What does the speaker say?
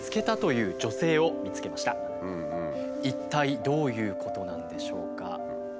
一体どういうことなんでしょうか？